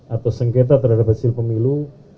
atau sengketa terhadap hasil pemilu